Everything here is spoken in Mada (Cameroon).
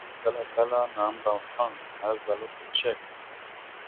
Aŋglak ala nàambafaŋ naazala okko cek.